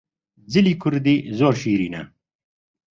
جلی کوردی زۆر شیرینە